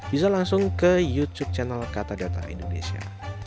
bisa langsung ke youtube channel kata data indonesia